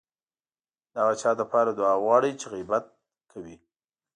د هغه چا لپاره دعا وغواړئ چې غيبت کړی.